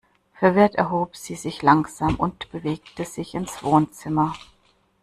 Verwirrt erhob sie sich langsam und bewegte sich ins Wohnzimmer.